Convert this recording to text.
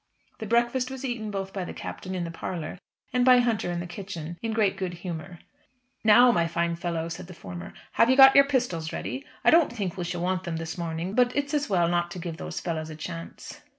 The breakfast was eaten both by the Captain in the parlour and by Hunter in the kitchen in great good humour. "Now, my fine fellow," said the former, "have you got your pistols ready? I don't think we shall want them this morning, but it's as well not to give these fellows a chance."